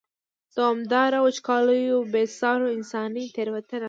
دوامدارو وچکالیو، بې سارو انساني تېروتنو.